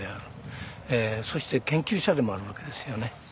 そして研究者でもあるわけですよね。